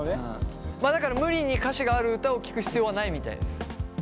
まあだから無理に歌詞がある歌を聴く必要はないみたいです。